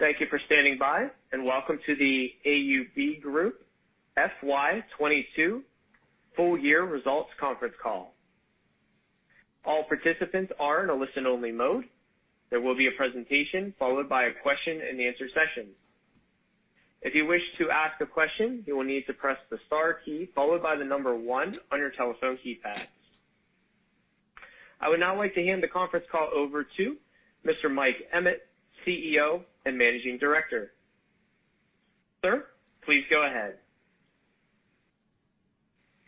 Thank you for standing by, and welcome to the AUB Group FY 2022 full year results conference call. All participants are in a listen-only mode. There will be a presentation followed by a question-and-answer session. If you wish to ask a question, you will need to press the star key followed by the number one on your telephone keypad. I would now like to hand the conference call over to Mr. Mike Emmett, CEO and Managing Director. Sir, please go ahead.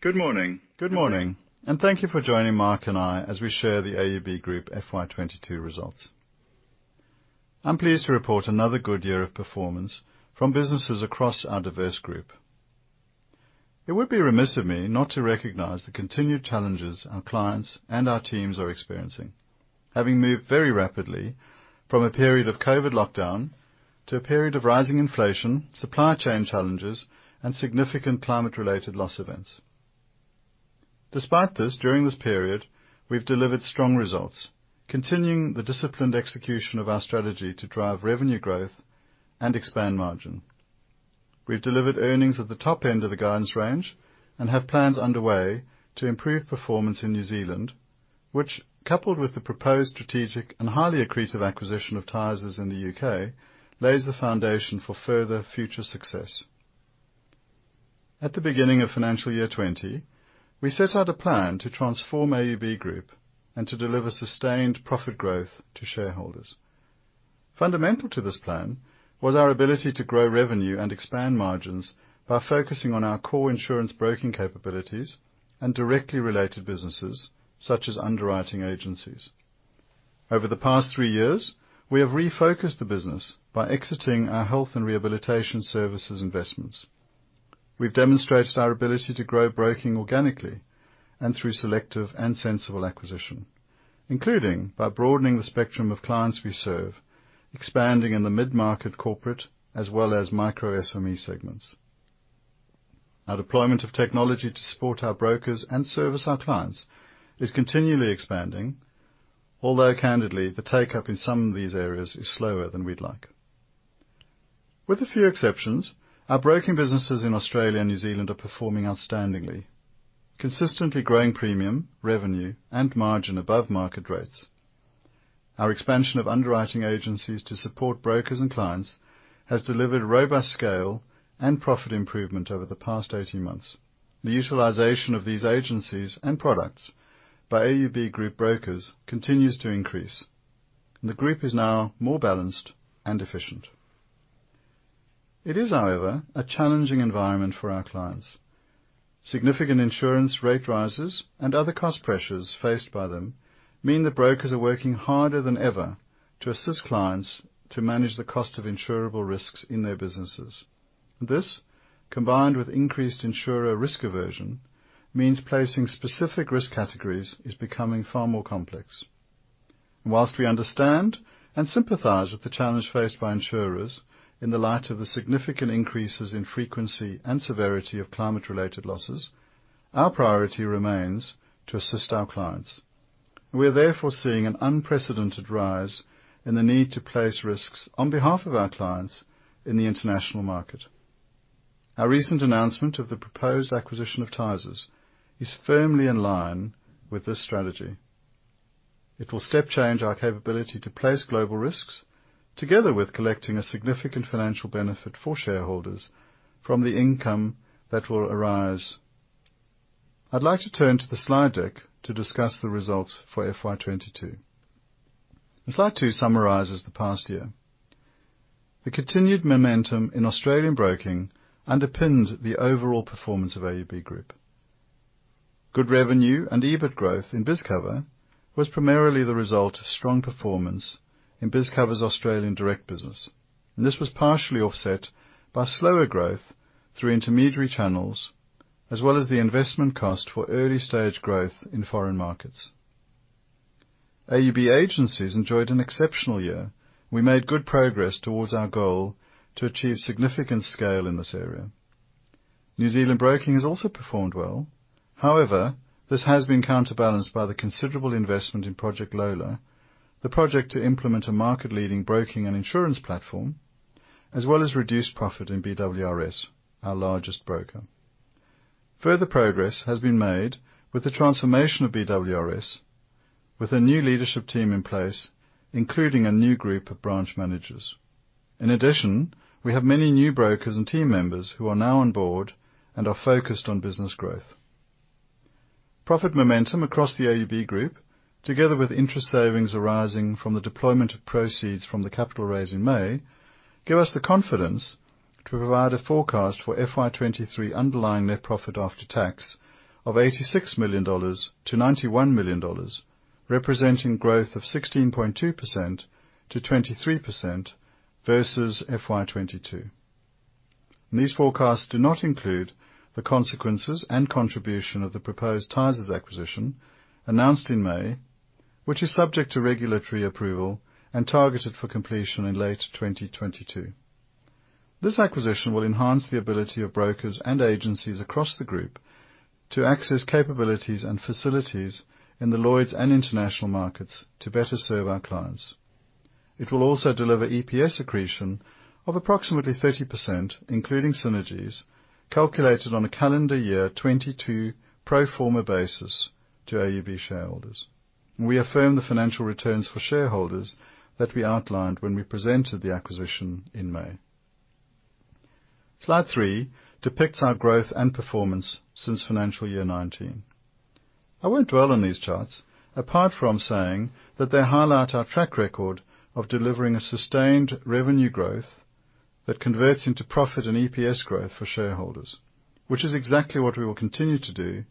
Good morning. Good morning, and thank you for joining Mark and I as we share the AUB Group FY 2022 results. I'm pleased to report another good year of performance from businesses across our diverse group. It would be remiss of me not to recognize the continued challenges our clients and our teams are experiencing, having moved very rapidly from a period of COVID lockdown to a period of rising inflation, supply chain challenges, and significant climate related loss events. Despite this, during this period, we've delivered strong results, continuing the disciplined execution of our strategy to drive revenue growth and expand margin. We've delivered earnings at the top end of the guidance range and have plans underway to improve performance in New Zealand, which, coupled with the proposed strategic and highly accretive acquisition of Tysers in the U.K., lays the foundation for further future success. At the beginning of financial year 2020, we set out a plan to transform AUB Group and to deliver sustained profit growth to shareholders. Fundamental to this plan was our ability to grow revenue and expand margins by focusing on our core insurance broking capabilities and directly related businesses such as underwriting agencies. Over the past three years, we have refocused the business by exiting our health and rehabilitation services investments. We've demonstrated our ability to grow broking organically and through selective and sensible acquisition, including by broadening the spectrum of clients we serve, expanding in the mid-market corporate as well as micro SME segments. Our deployment of technology to support our brokers and service our clients is continually expanding, although candidly, the take-up in some of these areas is slower than we'd like. With a few exceptions, our broking businesses in Australia and New Zealand are performing outstandingly, consistently growing premium, revenue, and margin above market rates. Our expansion of underwriting agencies to support brokers and clients has delivered robust scale and profit improvement over the past 18 months. The utilization of these agencies and products by AUB Group brokers continues to increase. The group is now more balanced and efficient. It is, however, a challenging environment for our clients. Significant insurance rate rises and other cost pressures faced by them mean that brokers are working harder than ever to assist clients to manage the cost of insurable risks in their businesses. This, combined with increased insurer risk aversion, means placing specific risk categories is becoming far more complex. While we understand and sympathize with the challenge faced by insurers in the light of the significant increases in frequency and severity of climate-related losses, our priority remains to assist our clients. We are therefore seeing an unprecedented rise in the need to place risks on behalf of our clients in the international market. Our recent announcement of the proposed acquisition of Tysers is firmly in line with this strategy. It will step change our capability to place global risks together with collecting a significant financial benefit for shareholders from the income that will arise. I'd like to turn to the slide deck to discuss the results for FY 2022. Slide two summarizes the past year. The continued momentum in Australian broking underpinned the overall performance of AUB Group. Good revenue and EBIT growth in BizCover was primarily the result of strong performance in BizCover's Australian direct business. This was partially offset by slower growth through intermediary channels, as well as the investment cost for early stage growth in foreign markets. AUB Agencies enjoyed an exceptional year. We made good progress towards our goal to achieve significant scale in this area. New Zealand broking has also performed well. However, this has been counterbalanced by the considerable investment in Project Lola, the project to implement a market-leading broking and insurance platform, as well as reduced profit in BWRS, our largest broker. Further progress has been made with the transformation of BWRS with a new leadership team in place, including a new group of branch managers. In addition, we have many new brokers and team members who are now on board and are focused on business growth. Profit momentum across the AUB Group, together with interest savings arising from the deployment of proceeds from the capital raise in May, give us the confidence to provide a forecast for FY 2023 underlying net profit after tax of 86 million-91 million dollars, representing growth of 16.2%-23% versus FY 2022. These forecasts do not include the consequences and contribution of the proposed Tysers acquisition announced in May, which is subject to regulatory approval and targeted for completion in late 2022. This acquisition will enhance the ability of brokers and agencies across the group to access capabilities and facilities in the Lloyd's and international markets to better serve our clients. It will also deliver EPS accretion of approximately 30%, including synergies, calculated on a calendar year 2022 pro forma basis to AUB shareholders. We affirm the financial returns for shareholders that we outlined when we presented the acquisition in May. Slide three depicts our growth and performance since financial year 2019. I won't dwell on these charts, apart from saying that they highlight our track record of delivering a sustained revenue growth that converts into profit and EPS growth for shareholders, which is exactly what we will continue to do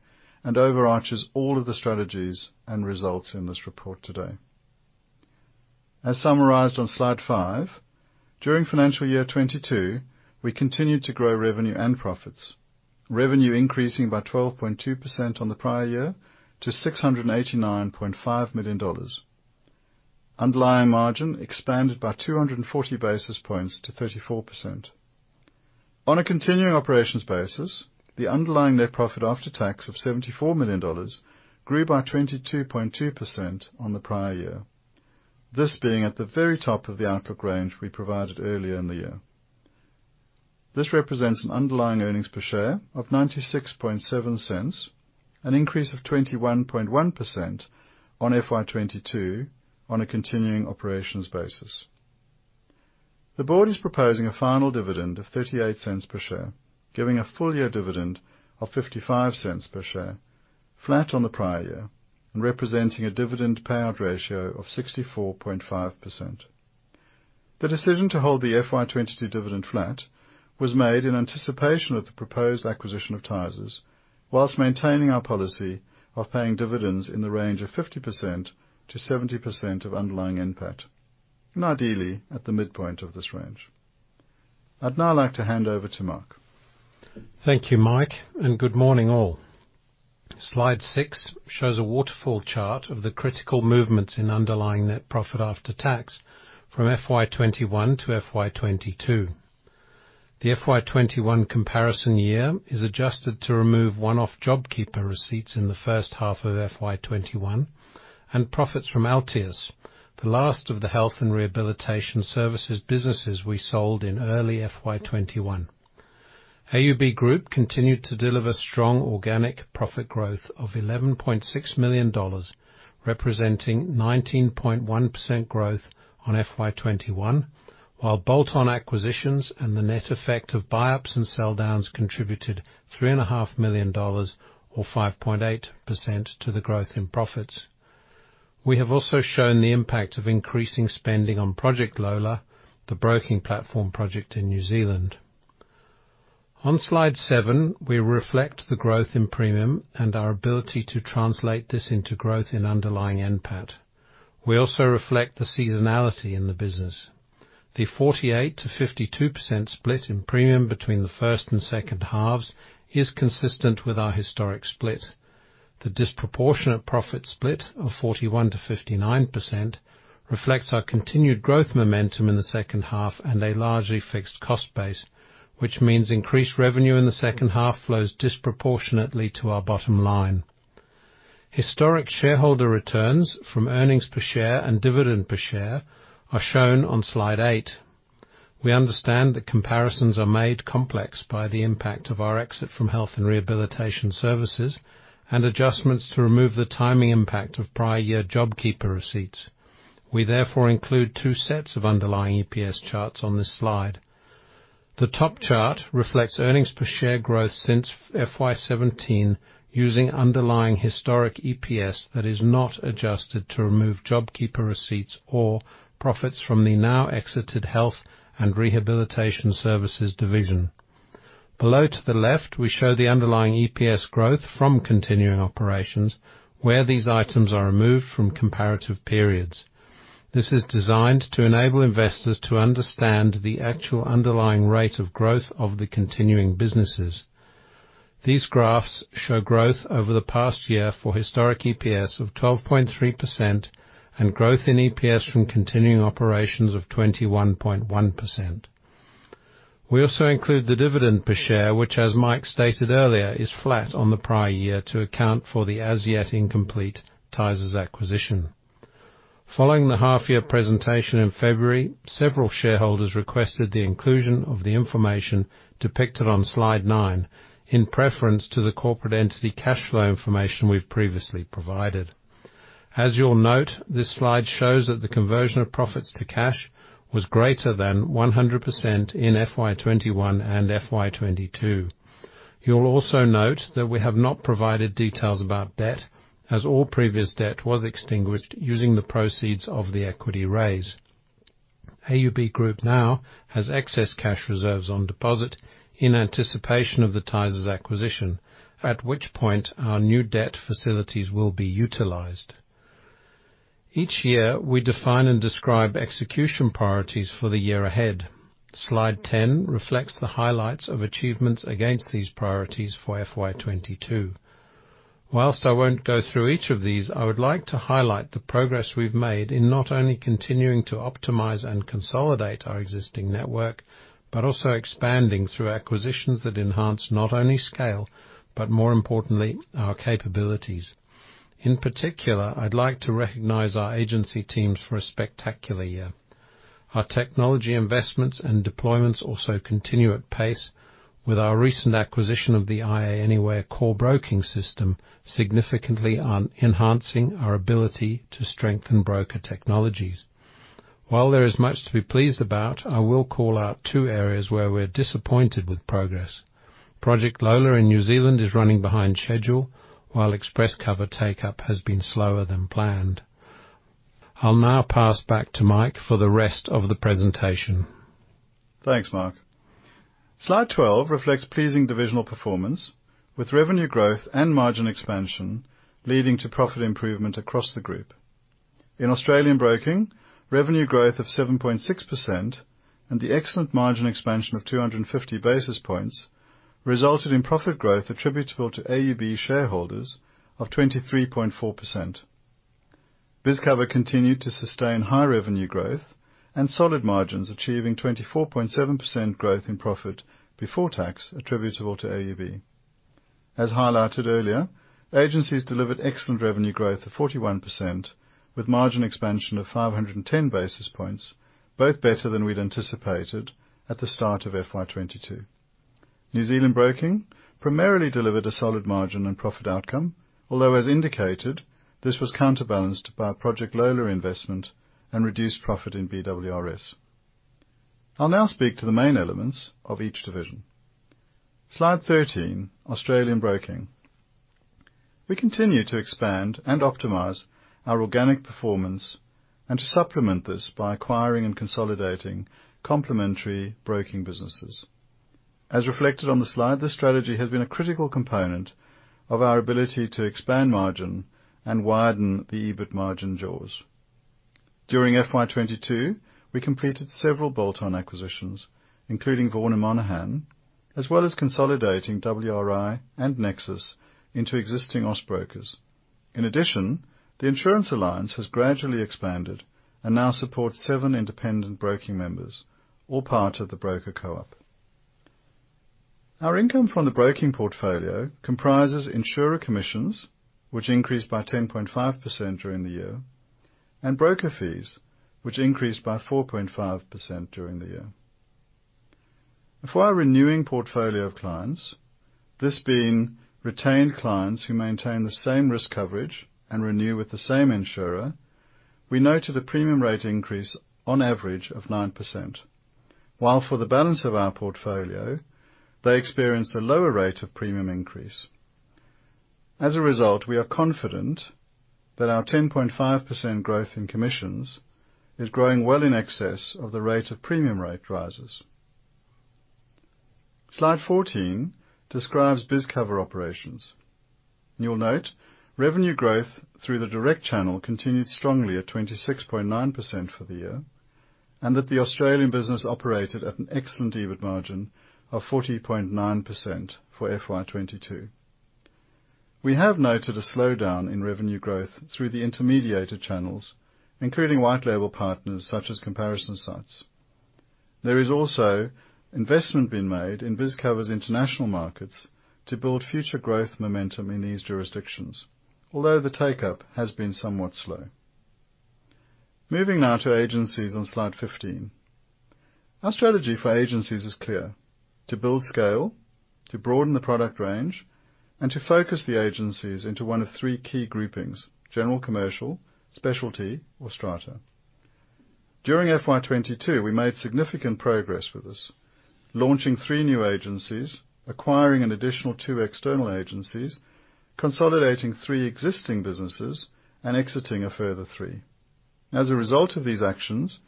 and overarches all of the strategies and results in this report today. As summarized on slide five, during financial year 2022, we continued to grow revenue and profits. Revenue increasing by 12.2% on the prior year to 689.5 million dollars. Underlying margin expanded by 240 basis points to 34%. On a continuing operations basis, the underlying net profit after tax of AUD 74 million grew by 22.2% on the prior year. This being at the very top of the outlook range we provided earlier in the year. This represents an underlying earnings per share of 0.967, an increase of 21.1% on FY 2022 on a continuing operations basis. The board is proposing a final dividend of 0.38 per share, giving a full year dividend of 0.55 per share, flat on the prior year, and representing a dividend payout ratio of 64.5%. The decision to hold the FY 2022 dividend flat was made in anticipation of the proposed acquisition of Tysers, while maintaining our policy of paying dividends in the range of 50%-70% of underlying NPAT, and ideally, at the midpoint of this range. I'd now like to hand over to Mark. Thank you, Mike, and good morning all. Slide six shows a waterfall chart of the critical movements in underlying net profit after tax from FY 2021-FY 2022. The FY 2021 comparison year is adjusted to remove one-off JobKeeper receipts in the first half of FY 2021 and profits from Altius, the last of the health and rehabilitation services businesses we sold in early FY 2021. AUB Group continued to deliver strong organic profit growth of 11.6 million dollars, representing 19.1% growth on FY 2021, while bolt-on acquisitions and the net effect of buy-ups and sell downs contributed 3.5 million dollars or 5.8% to the growth in profits. We have also shown the impact of increasing spending on Project Lola, the broking platform project in New Zealand. On slide seven, we reflect the growth in premium and our ability to translate this into growth in underlying NPAT. We also reflect the seasonality in the business. The 48%-52% split in premium between the first and second halves is consistent with our historic split. The disproportionate profit split of 41%-59% reflects our continued growth momentum in the second half and a largely fixed cost base, which means increased revenue in the second half flows disproportionately to our bottom line. Historic shareholder returns from earnings per share and dividend per share are shown on slide 8. We understand that comparisons are made complex by the impact of our exit from health and rehabilitation services and adjustments to remove the timing impact of prior year JobKeeper receipts. We therefore include two sets of underlying EPS charts on this slide. The top chart reflects earnings per share growth since FY 2017 using underlying historic EPS that is not adjusted to remove JobKeeper receipts or profits from the now exited health and rehabilitation services division. Below to the left, we show the underlying EPS growth from continuing operations where these items are removed from comparative periods. This is designed to enable investors to understand the actual underlying rate of growth of the continuing businesses. These graphs show growth over the past year for historic EPS of 12.3% and growth in EPS from continuing operations of 21.1%. We also include the dividend per share, which as Mike stated earlier, is flat on the prior year to account for the as yet incomplete Tysers acquisition. Following the half year presentation in February, several shareholders requested the inclusion of the information depicted on slide nine in preference to the corporate entity cash flow information we've previously provided. As you'll note, this slide shows that the conversion of profits to cash was greater than 100% in FY 2021 and FY 2022. You'll also note that we have not provided details about debt, as all previous debt was extinguished using the proceeds of the equity raise. AUB Group now has excess cash reserves on deposit in anticipation of the Tysers acquisition, at which point our new debt facilities will be utilized. Each year, we define and describe execution priorities for the year ahead. Slide 10 reflects the highlights of achievements against these priorities for FY 2022. While I won't go through each of these, I would like to highlight the progress we've made in not only continuing to optimize and consolidate our existing network, but also expanding through acquisitions that enhance not only scale, but more importantly, our capabilities. In particular, I'd like to recognize our agency teams for a spectacular year. Our technology investments and deployments also continue at pace with our recent acquisition of the iaAnyware core broking system, significantly enhancing our ability to strengthen broker technologies. While there is much to be pleased about, I will call out two areas where we're disappointed with progress. Project Lola in New Zealand is running behind schedule while Express Cover take up has been slower than planned. I'll now pass back to Mike for the rest of the presentation. Thanks, Mark. Slide 12 reflects pleasing divisional performance, with revenue growth and margin expansion leading to profit improvement across the group. In Australian Broking, revenue growth of 7.6% and the excellent margin expansion of 250 basis points resulted in profit growth attributable to AUB shareholders of 23.4%. BizCover continued to sustain high revenue growth and solid margins, achieving 24.7% growth in profit before tax attributable to AUB. As highlighted earlier, Agencies delivered excellent revenue growth of 41%, with margin expansion of 510 basis points, both better than we'd anticipated at the start of FY 2022. New Zealand Broking primarily delivered a solid margin and profit outcome, although, as indicated, this was counterbalanced by our Project Lola investment and reduced profit in BWRS. I'll now speak to the main elements of each division. Slide 13, Australian Broking. We continue to expand and optimize our organic performance and to supplement this by acquiring and consolidating complementary broking businesses. As reflected on the slide, this strategy has been a critical component of our ability to expand margin and widen the EBIT margin jaws. During FY 2022, we completed several bolt-on acquisitions, including Vaughan & Monaghan, as well as consolidating WRI and Nexus into existing Austbrokers. In addition, the Insurance Alliance has gradually expanded and now supports seven independent broking members, all part of the Broker Co-op. Our income from the broking portfolio comprises insurer commissions, which increased by 10.5% during the year, and broker fees, which increased by 4.5% during the year. For our renewing portfolio of clients, this being retained clients who maintain the same risk coverage and renew with the same insurer, we noted a premium rate increase on average of 9%, while for the balance of our portfolio, they experienced a lower rate of premium increase. As a result, we are confident that our 10.5% growth in commissions is growing well in excess of the rate of premium rate rises. Slide 14 describes BizCover operations. You'll note revenue growth through the direct channel continued strongly at 26.9% for the year, and that the Australian business operated at an excellent EBIT margin of 40.9% for FY 2022. We have noted a slowdown in revenue growth through the intermediated channels, including white label partners such as comparison sites. There is also investment being made in BizCover's international markets to build future growth momentum in these jurisdictions, although the take-up has been somewhat slow. Moving now to Agencies on slide 15. Our strategy for Agencies is clear. To build scale, to broaden the product range, and to focus the agencies into one of three key groupings, general commercial, specialty, or strata. During FY 2022, we made significant progress with this, launching three new agencies, acquiring an additional 2 external agencies, consolidating three existing businesses, and exiting a further three. As a result of these actions,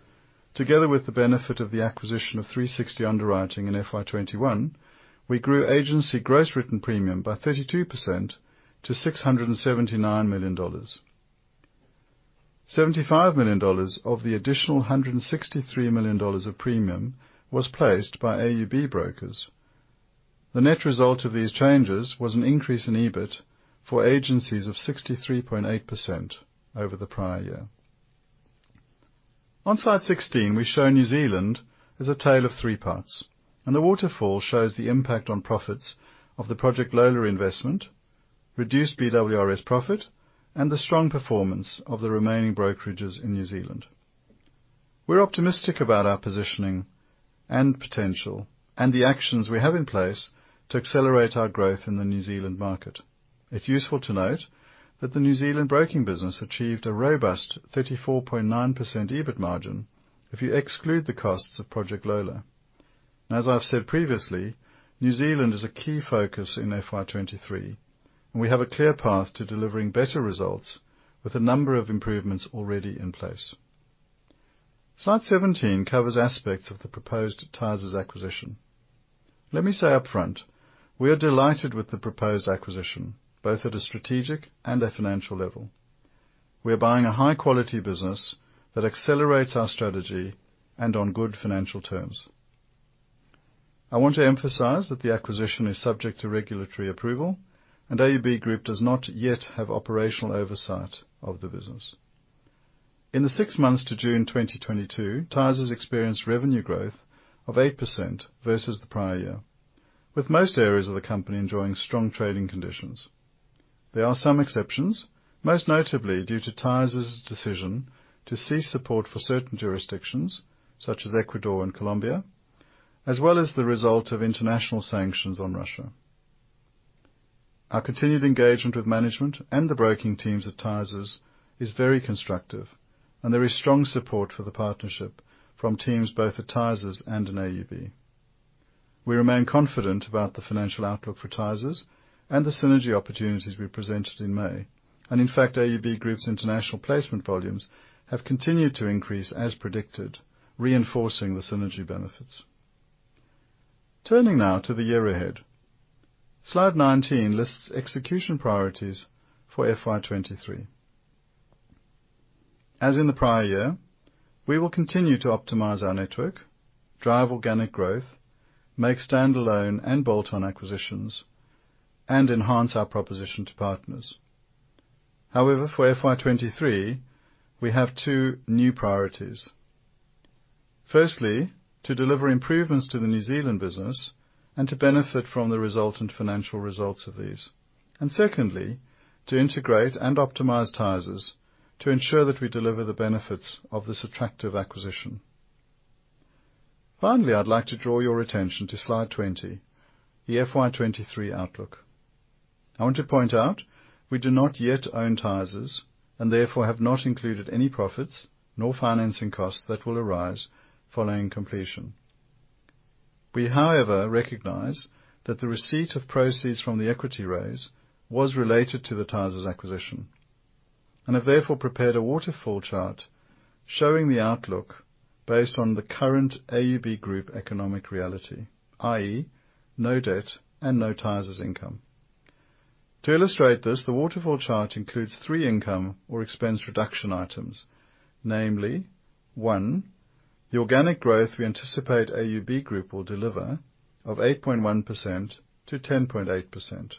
together with the benefit of the acquisition of 360 Underwriting in FY 2021, we grew Agency gross written premium by 32% to 679 million dollars. 75 million dollars of the additional 163 million dollars of premium was placed by AUB brokers. The net result of these changes was an increase in EBIT for Agencies of 63.8% over the prior year. On slide 16, we show New Zealand as a tale of three parts, and the waterfall shows the impact on profits of the Project Lola investment, reduced BWRS profit, and the strong performance of the remaining brokerages in New Zealand. We're optimistic about our positioning and potential and the actions we have in place to accelerate our growth in the New Zealand market. It's useful to note that the New Zealand broking business achieved a robust 34.9% EBIT margin if you exclude the costs of Project Lola. As I've said previously, New Zealand is a key focus in FY 2023, and we have a clear path to delivering better results with a number of improvements already in place. Slide 17 covers aspects of the proposed Tysers' acquisition. Let me say upfront, we are delighted with the proposed acquisition, both at a strategic and a financial level. We are buying a high quality business that accelerates our strategy and on good financial terms. I want to emphasize that the acquisition is subject to regulatory approval and AUB Group does not yet have operational oversight of the business. In the six months to June 2022, Tysers experienced revenue growth of 8% versus the prior year, with most areas of the company enjoying strong trading conditions. There are some exceptions, most notably due to Tysers' decision to cease support for certain jurisdictions such as Ecuador and Colombia, as well as the result of international sanctions on Russia. Our continued engagement with management and the broking teams at Tysers is very constructive and there is strong support for the partnership from teams both at Tysers and in AUB. We remain confident about the financial outlook for Tysers and the synergy opportunities we presented in May. In fact, AUB Group's international placement volumes have continued to increase as predicted, reinforcing the synergy benefits. Turning now to the year ahead. Slide 19 lists execution priorities for FY 2023. As in the prior year, we will continue to optimize our network, drive organic growth, make standalone and bolt-on acquisitions, and enhance our proposition to partners. However, for FY 2023, we have two new priorities. Firstly, to deliver improvements to the New Zealand business and to benefit from the resultant financial results of these. Secondly, to integrate and optimize Tysers to ensure that we deliver the benefits of this attractive acquisition. Finally, I'd like to draw your attention to slide 20, the FY 2023 outlook. I want to point out we do not yet own Tysers and therefore have not included any profits nor financing costs that will arise following completion. We, however, recognize that the receipt of proceeds from the equity raise was related to the Tysers acquisition and have therefore prepared a waterfall chart showing the outlook based on the current AUB Group economic reality, i.e., no debt and no Tysers income. To illustrate this, the waterfall chart includes three income or expense reduction items, namely, one, the organic growth we anticipate AUB Group will deliver of 8.1%-10.8%.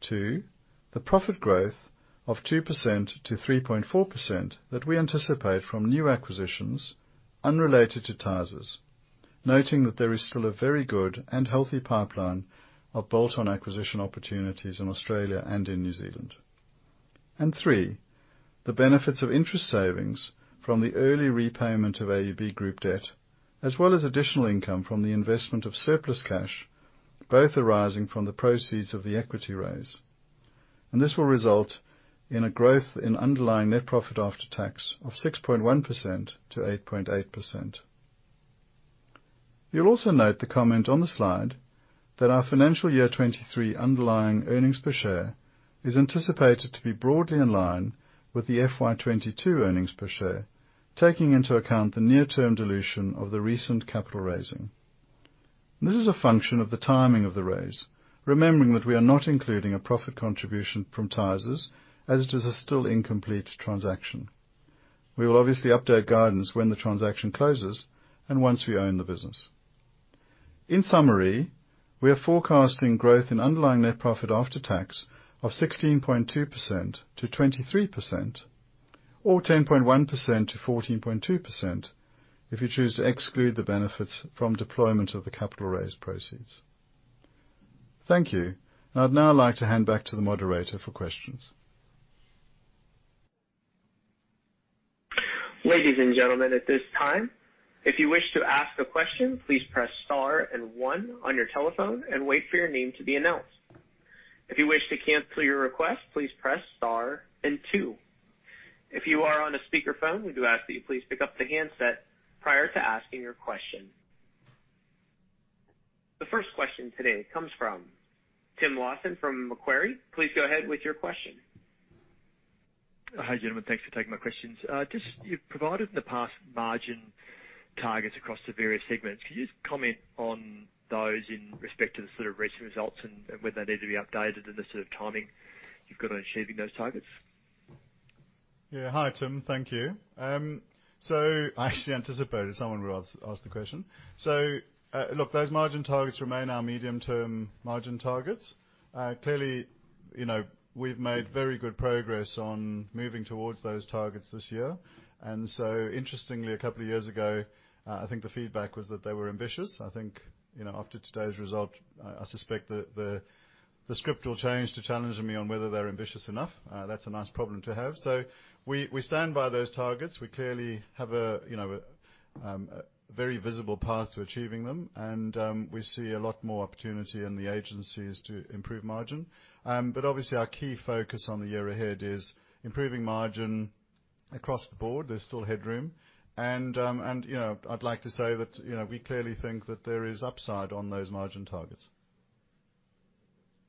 Two, the profit growth of 2%-3.4% that we anticipate from new acquisitions unrelated to Tysers. Noting that there is still a very good and healthy pipeline of bolt-on acquisition opportunities in Australia and in New Zealand. Three, the benefits of interest savings from the early repayment of AUB Group debt, as well as additional income from the investment of surplus cash, both arising from the proceeds of the equity raise. This will result in a growth in underlying net profit after tax of 6.1%-8.8%. You'll also note the comment on the slide that our financial year 2023 underlying earnings per share is anticipated to be broadly in line with the FY 2022 earnings per share, taking into account the near-term dilution of the recent capital raising. This is a function of the timing of the raise. Remembering that we are not including a profit contribution from Tysers as it is a still incomplete transaction. We will obviously update guidance when the transaction closes and once we own the business. In summary, we are forecasting growth in underlying net profit after tax of 16.2%-23% or 10.1%-14.2% if you choose to exclude the benefits from deployment of the capital raise proceeds. Thank you. I'd now like to hand back to the moderator for questions. Ladies and gentlemen, at this time, if you wish to ask a question, please press star and one on your telephone and wait for your name to be announced. If you wish to cancel your request, please press star and two. If you are on a speakerphone, we do ask that you please pick up the handset prior to asking your question. The first question today comes from Tim Lawson from Macquarie. Please go ahead with your question. Hi, gentlemen. Thanks for taking my questions. Just you've provided in the past margin targets across the various segments. Can you just comment on those in respect to the sort of recent results and whether they need to be updated and the sort of timing you've got on achieving those targets? Yeah. Hi, Tim. Thank you. I actually anticipated someone would ask the question. Look, those margin targets remain our medium-term margin targets. Clearly, you know, we've made very good progress on moving towards those targets this year. Interestingly, a couple of years ago, I think the feedback was that they were ambitious. I think, you know, after today's result, I suspect that the script will change to challenging me on whether they're ambitious enough. That's a nice problem to have. We stand by those targets. We clearly have, you know, a very visible path to achieving them, and we see a lot more opportunity in the agencies to improve margin. Obviously, our key focus on the year ahead is improving margin across the board. There's still headroom. you know, I'd like to say that, you know, we clearly think that there is upside on those margin targets.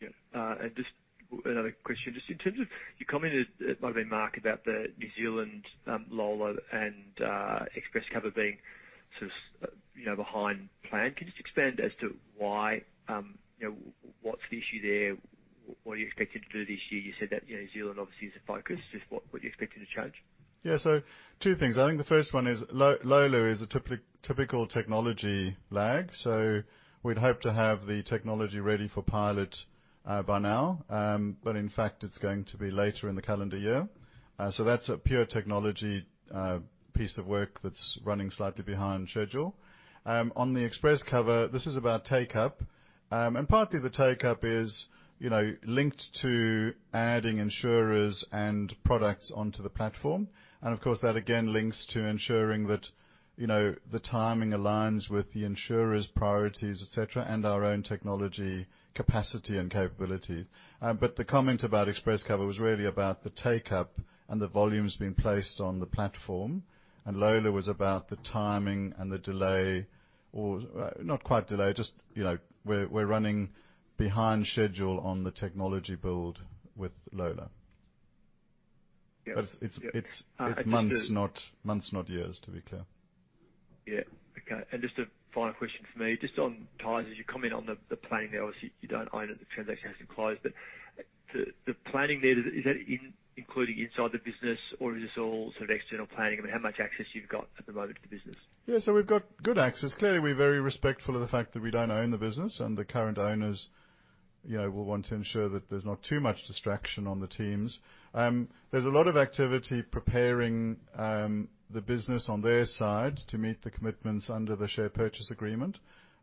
Yeah. Just another question. Just in terms of your comment, it might be Mark, about the New Zealand Lola and Express Cover being sort of, you know, behind plan. Can you just expand as to why? You know, what's the issue there? What are you expected to do this year? You said that, you know, New Zealand obviously is a focus. Just what are you expecting to change? Yeah. Two things. I think the first one is Lola is a typical technology lag, so we'd hope to have the technology ready for pilot by now. In fact, it's going to be later in the calendar year. That's a pure technology piece of work that's running slightly behind schedule. On the Express Cover, this is about take-up. Partly the take-up is, you know, linked to adding insurers and products onto the platform. Of course, that again links to ensuring that, you know, the timing aligns with the insurers' priorities, et cetera, and our own technology capacity and capability. The comment about Express Cover was really about the take-up and the volumes being placed on the platform, and Lola was about the timing and the delay. Not quite delay, just, you know, we're running behind schedule on the technology build with Lola. Yeah. It's months, not years, to be clear. Yeah. Okay. Just a final question for me. Just on Tysers, you comment on the planning there. Obviously, you don't own it, the transaction hasn't closed, but the planning there, is that including inside the business or is this all sort of external planning? I mean, how much access you've got at the moment to the business? Yeah. We've got good access. Clearly, we're very respectful of the fact that we don't own the business and the current owners, you know, will want to ensure that there's not too much distraction on the teams. There's a lot of activity preparing the business on their side to meet the commitments under the share purchase agreement.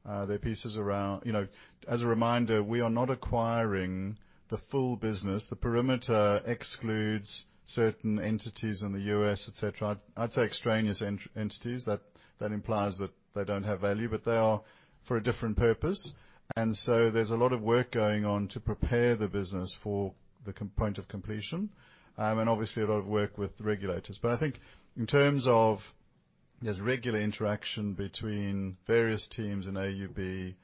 There are pieces around. You know, as a reminder, we are not acquiring the full business. The perimeter excludes certain entities in the U.S., et cetera. I'd say extraneous entities that implies that they don't have value, but they are for a different purpose. There's a lot of work going on to prepare the business for the point of completion, and obviously a lot of work with regulators. I think in terms of there's regular interaction between various teams in AUB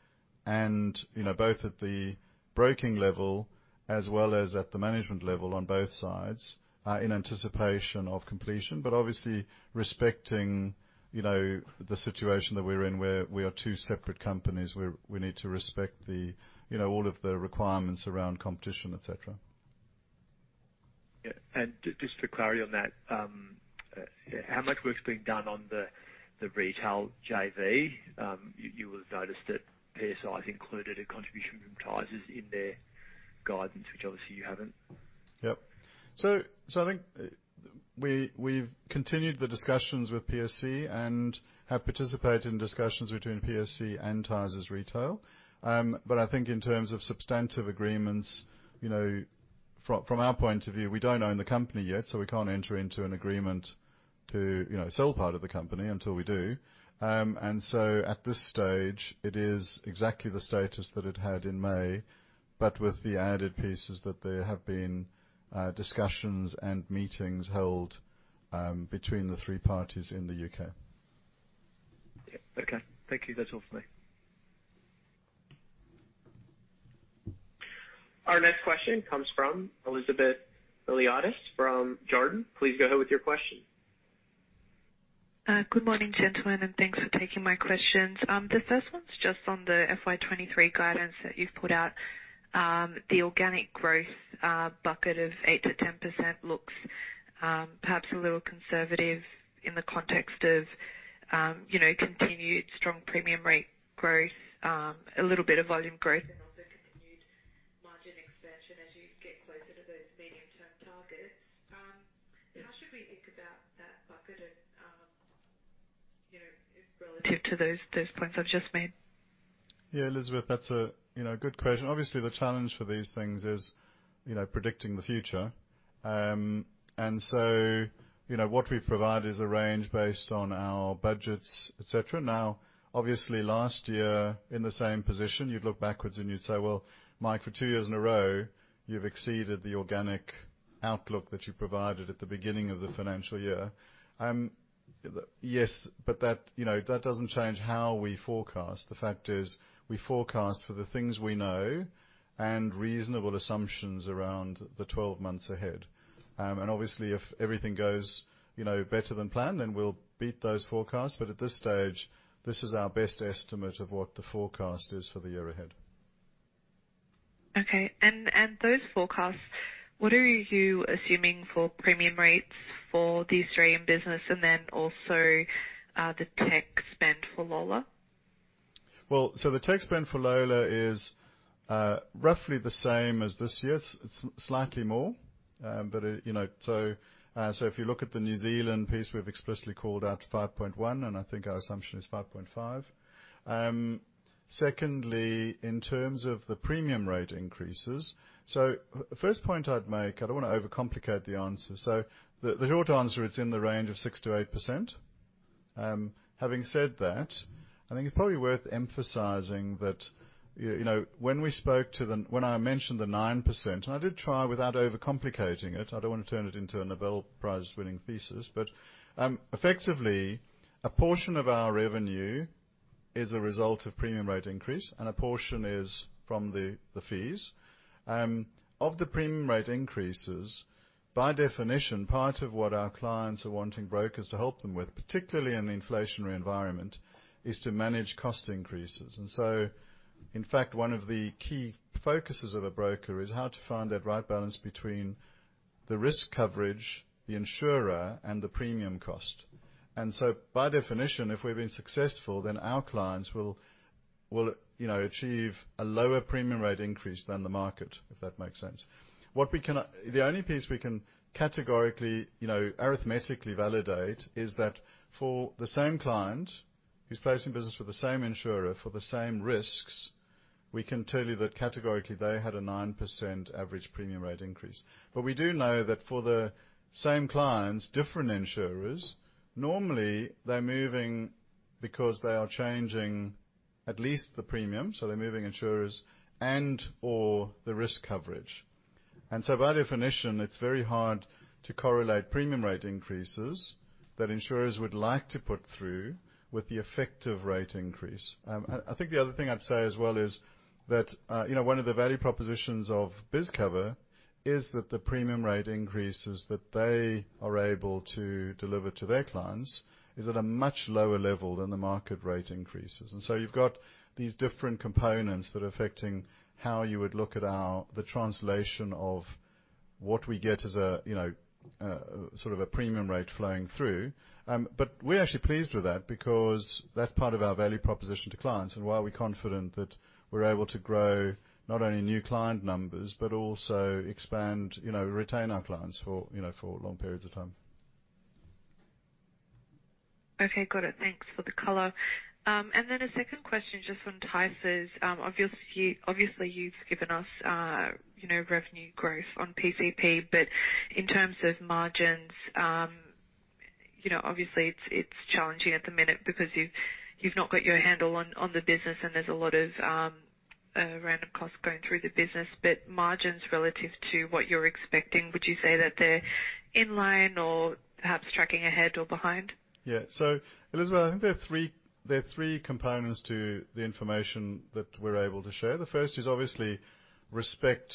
and, you know, both at the broking level as well as at the management level on both sides, in anticipation of completion. But obviously respecting, you know, the situation that we're in, where we are two separate companies. We need to respect the, you know, all of the requirements around competition, et cetera. Just for clarity on that, how much work's being done on the retail JV? You will have noticed that PSC has included a contribution from Tysers in their guidance, which obviously you haven't. Yep. So I think we've continued the discussions with PSC and have participated in discussions between PSC and Tysers Retail. I think in terms of substantive agreements, you know, from our point of view, we don't own the company yet, so we can't enter into an agreement to, you know, sell part of the company until we do. At this stage, it is exactly the status that it had in May, but with the added pieces that there have been discussions and meetings held between the three parties in the U.K. Yeah. Okay. Thank you. That's all for me. Our next question comes from Elizabeth Flatley from Jarden. Please go ahead with your question. Good morning, gentlemen, and thanks for taking my questions. The first one's just on the FY 2023 guidance that you've put out. The organic growth bucket of 8%-10% looks perhaps a little conservative in the context of, you know, continued strong premium rate growth, a little bit of volume growth and also continued margin expansion as you get closer to those medium-term targets. How should we think about that bucket and, you know, relative to those points I've just made? Yeah. Elizabeth, that's a you know good question. Obviously, the challenge for these things is, you know, predicting the future. You know, what we provide is a range based on our budgets, et cetera. Now, obviously last year in the same position, you'd look backwards and you'd say, "Well, Mike, for two years in a row, you've exceeded the organic outlook that you provided at the beginning of the financial year." Yes, but that, you know, that doesn't change how we forecast. The fact is we forecast for the things we know and reasonable assumptions around the twelve months ahead. Obviously, if everything goes, you know, better than planned, then we'll beat those forecasts. At this stage, this is our best estimate of what the forecast is for the year ahead. Those forecasts, what are you assuming for premium rates for the Australian business and then also the tech spend for Lola? Well, the tech spend for Lola is roughly the same as this year. It's slightly more. But it, you know, if you look at the New Zealand piece, we've explicitly called out 5.1, and I think our assumption is 5.5. Secondly, in terms of the premium rate increases, first point I'd make, I don't want to overcomplicate the answer. The short answer, it's in the range of 6%-8%. Having said that, I think it's probably worth emphasizing that, you know, when I mentioned the 9%, and I did try without overcomplicating it, I don't want to turn it into a Nobel Prize-winning thesis, but effectively, a portion of our revenue is a result of premium rate increase, and a portion is from the fees. Of the premium rate increases, by definition, part of what our clients are wanting brokers to help them with, particularly in an inflationary environment, is to manage cost increases. In fact, one of the key focuses of a broker is how to find that right balance between the risk coverage, the insurer, and the premium cost. By definition, if we've been successful, then our clients will, you know, achieve a lower premium rate increase than the market, if that makes sense. The only piece we can categorically, you know, arithmetically validate is that for the same client who's placing business with the same insurer for the same risks, we can tell you that categorically they had a 9% average premium rate increase. We do know that for the same clients, different insurers, normally they're moving because they are changing at least the premium, so they're moving insurers and/or the risk coverage. By definition, it's very hard to correlate premium rate increases that insurers would like to put through with the effective rate increase. I think the other thing I'd say as well is that, you know, one of the value propositions of BizCover is that the premium rate increases that they are able to deliver to their clients is at a much lower level than the market rate increases. You've got these different components that are affecting how you would look at the translation of what we get as a, you know, a sort of a premium rate flowing through. We're actually pleased with that because that's part of our value proposition to clients and why we're confident that we're able to grow not only new client numbers, but also expand, you know, retain our clients for, you know, for long periods of time. Okay, got it. Thanks for the color. Then a second question just on Tysers. Obviously, you've given us, you know, revenue growth on PCP, but in terms of margins, you know, obviously it's challenging at the minute because you've not got your handle on the business and there's a lot of random costs going through the business. But margins relative to what you're expecting, would you say that they're in line or perhaps tracking ahead or behind? Yeah. Elizabeth, I think there are three components to the information that we're able to share. The first is obviously respect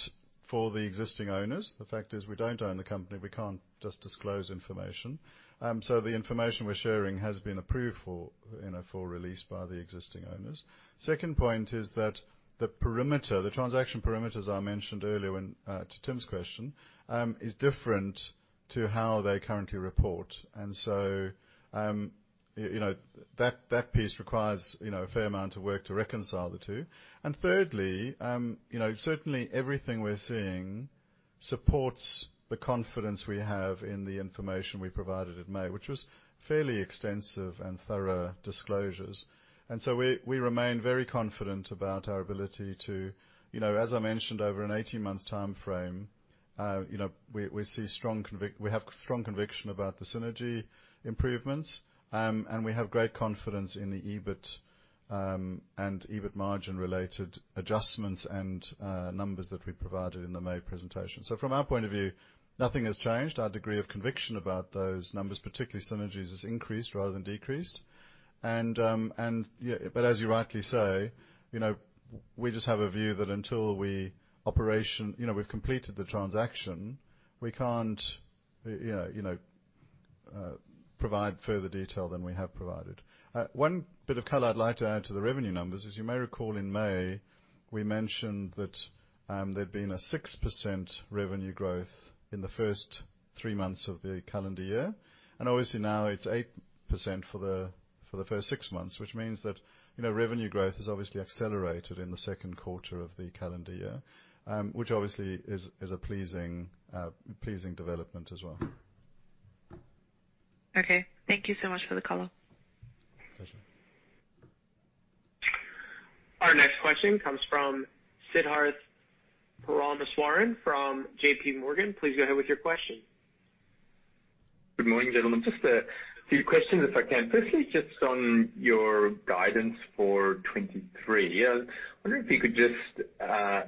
for the existing owners. The fact is we don't own the company, we can't just disclose information. The information we're sharing has been approved for, you know, for release by the existing owners. Second point is that the parameters, the transaction parameters I mentioned earlier when to Tim's question, is different to how they currently report. You know, that piece requires, you know, a fair amount of work to reconcile the two. Thirdly, you know, certainly everything we're seeing supports the confidence we have in the information we provided in May, which was fairly extensive and thorough disclosures. We remain very confident about our ability to, you know, as I mentioned, over an 18-month timeframe, you know, we have strong conviction about the synergy improvements, and we have great confidence in the EBIT and EBIT margin-related adjustments and numbers that we provided in the May presentation. From our point of view, nothing has changed. Our degree of conviction about those numbers, particularly synergies, has increased rather than decreased. Yeah, but as you rightly say, you know, we just have a view that until we've completed the transaction, we can't provide further detail than we have provided. One bit of color I'd like to add to the revenue numbers is, you may recall in May we mentioned that there'd been a 6% revenue growth in the first three months of the calendar year. Obviously now it's 8% for the first six months, which means that, you know, revenue growth has obviously accelerated in the second quarter of the calendar year, which obviously is a pleasing development as well. Okay. Thank you so much for the color. Pleasure. Our next question comes from Siddharth Parameswaran from J.P. Morgan. Please go ahead with your question. Good morning, gentlemen. Just a few questions if I can. Firstly, just on your guidance for 2023, wondering if you could just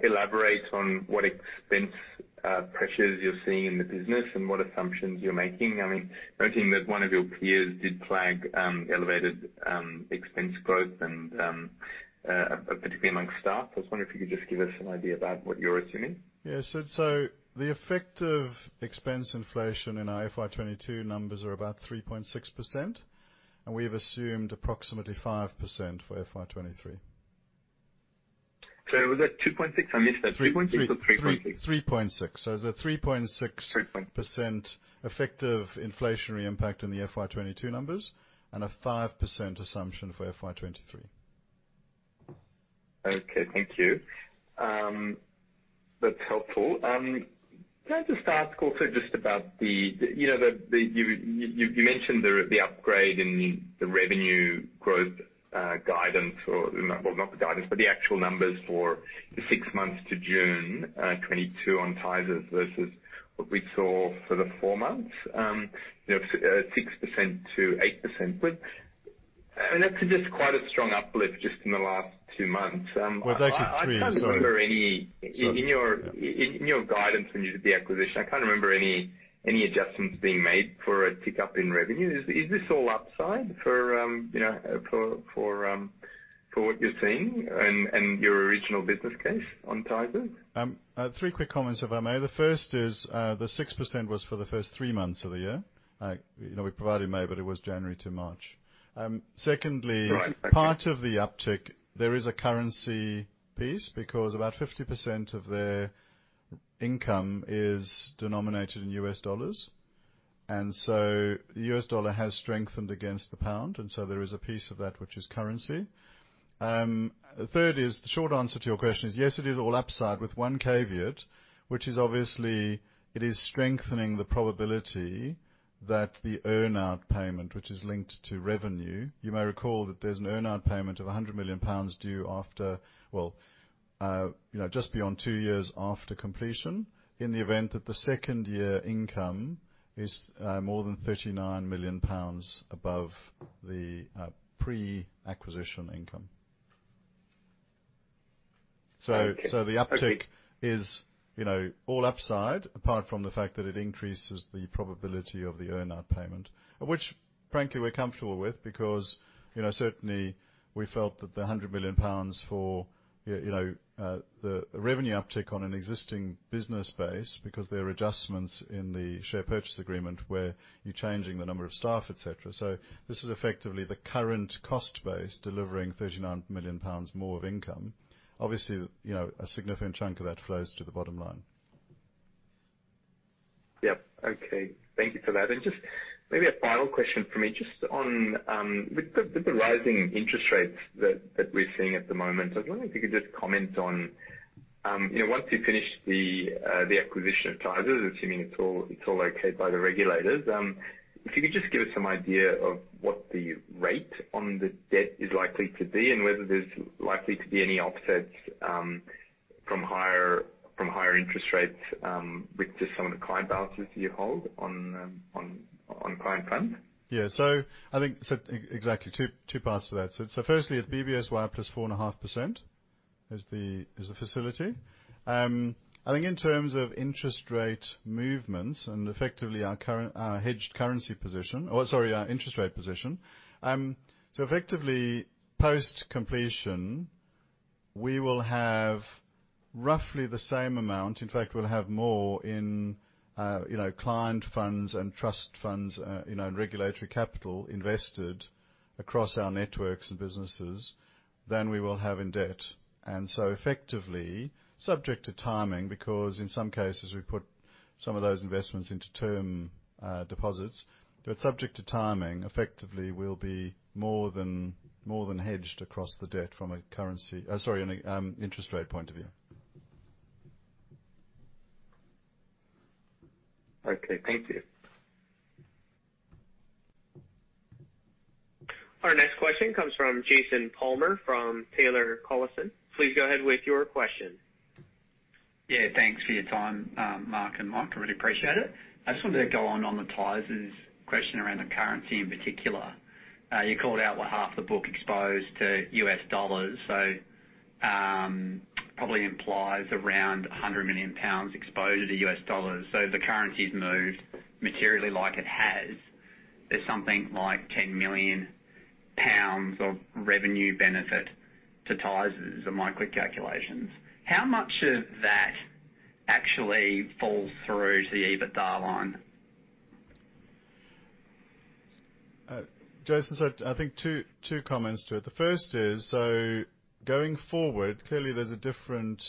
elaborate on what expense pressures you're seeing in the business and what assumptions you're making. I mean, noting that one of your peers did flag elevated expense growth and particularly among staff. I was wondering if you could just give us an idea about what you're assuming. The effective expense inflation in our FY 2022 numbers are about 3.6%, and we have assumed approximately 5% for FY 2023. Sorry, was that 2.6%? I missed that. 3.6% or 3.6%? 3.6%. It's a 3.6%. Three point- Effective inflationary impact on the FY 2022 numbers and a 5% assumption for FY 2023. Okay, thank you. That's helpful. Can I just ask also just about the upgrade in the revenue growth you mentioned, guidance or well, not the guidance, but the actual numbers for the 6 months to June 2022 on Tysers versus what we saw for the four months. 6%-8%. I mean, that's just quite a strong uplift just in the last two months. I Well, it's actually three months, sorry. I can't remember any in your guidance when you did the acquisition. I can't remember any adjustments being made for a tick up in revenue. Is this all upside for you know for what you're seeing and your original business case on Tysers? Three quick comments, if I may. The first is, the 6% was for the first three months of the year. You know, we provided May, but it was January to March. Secondly- Right. Part of the uptick, there is a currency piece because about 50% of their income is denominated in U.S. dollars. The U.S. dollar has strengthened against the pound, and so there is a piece of that which is currency. Third, the short answer to your question is yes, it is all upside with one caveat, which is obviously it is strengthening the probability that the earn out payment, which is linked to revenue. You may recall that there's an earn out payment of 100 million pounds due after, you know, just beyond 2 years after completion in the event that the second year income is more than 39 million pounds above the pre-acquisition income. Okay. The uptick is, you know, all upside, apart from the fact that it increases the probability of the earn out payment. Which frankly, we're comfortable with because, you know, certainly we felt that the 100 million pounds for, you know, the revenue uptick on an existing business base because there are adjustments in the share purchase agreement where you're changing the number of staff, et cetera. This is effectively the current cost base delivering 39 million pounds more of income. Obviously, you know, a significant chunk of that flows to the bottom line. Yep. Okay. Thank you for that. Just maybe a final question from me. Just on, with the rising interest rates that we're seeing at the moment, I was wondering if you could just comment on, you know, once you finish the acquisition of Tysers, assuming it's all okay by the regulators, if you could just give us some idea of what the rate on the debt is likely to be and whether there's likely to be any offsets, from higher interest rates, with just some of the client balances you hold on client funds. I think exactly two parts to that. Firstly, it's BBSY plus 4.5% is the facility. I think in terms of interest rate movements and effectively our current interest rate position, effectively post-completion, we will have roughly the same amount. In fact, we'll have more in client funds and trust funds and regulatory capital invested across our networks and businesses than we will have in debt. Effectively, subject to timing, because in some cases we put some of those investments into term deposits, but subject to timing, effectively we'll be more than hedged across the debt from an interest rate point of view. Okay. Thank you. Our next question comes from Jason Palmer from Taylor Collison. Please go ahead with your question. Yeah, thanks for your time, Mark and Mike. I really appreciate it. I just wanted to go on the Tysers question around the currency in particular. You called out half the book exposed to U.S. dollars, so probably implies around 100 million pounds exposed to U.S. dollars. If the currency's moved materially like it has, there's something like 10 million pounds of revenue benefit to Tysers in my quick calculations. How much of that actually falls through to the EBITDA line? Jason, I think two comments to it. The first is, going forward, clearly there's a different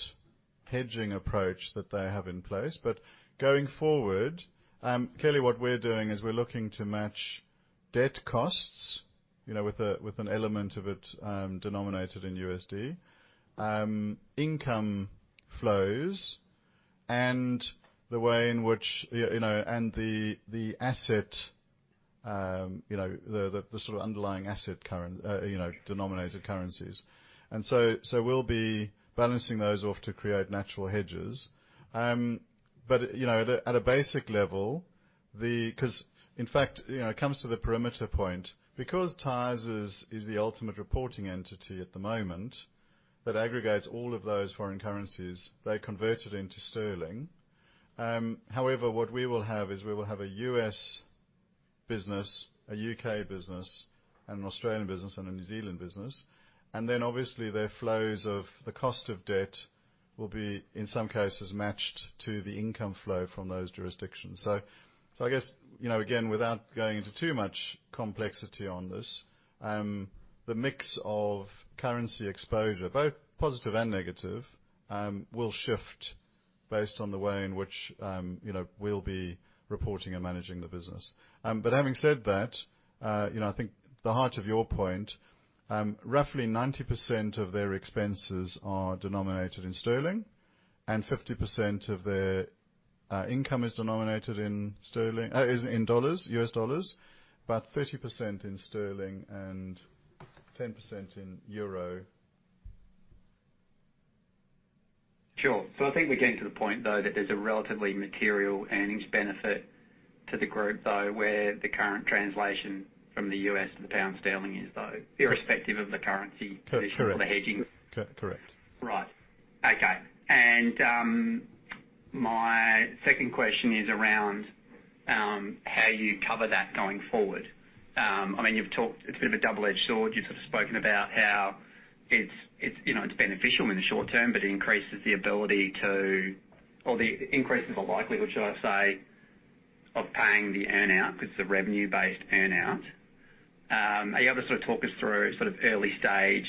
hedging approach that they have in place. But going forward, clearly what we're doing is we're looking to match debt costs, you know, with an element of it denominated in USD income flows and the way in which, you know, and the asset, you know, the sort of underlying asset denominated currencies. And so we'll be balancing those off to create natural hedges. But you know, at a basic level, because in fact, you know, it comes to the perimeter point, because Tysers is the ultimate reporting entity at the moment that aggregates all of those foreign currencies, they're converted into sterling. However, what we will have is we will have a U.S. business, a U.K. business and an Australian business and a New Zealand business. Then obviously their flows of the cost of debt will be, in some cases, matched to the income flow from those jurisdictions. I guess, you know, again, without going into too much complexity on this, the mix of currency exposure, both positive and negative, will shift based on the way in which, you know, we'll be reporting and managing the business. But having said that, you know, I think the heart of your point, roughly 90% of their expenses are denominated in sterling, and 50% of their income is in dollars, U.S. dollars, about 30% in sterling and 10% in euro. Sure. I think we're getting to the point, though, that there's a relatively material earnings benefit to the group, though, where the current translation from the U.S. to the pound sterling is, though, irrespective of the currency position or the hedging. Correct. Right. Okay. My second question is around how you cover that going forward. I mean, you've talked, it's a bit of a double-edged sword. You've sort of spoken about how it's, you know, it's beneficial in the short term, but it increases the likelihood, should I say, of paying the earn out, 'cause it's a revenue-based earn out. Are you able to sort of talk us through sort of early stage